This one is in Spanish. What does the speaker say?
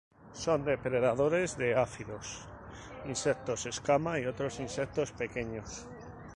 Son depredadores de áfidos, insectos escama y otros insectos pequeños.